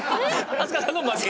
飛鳥さんの負け。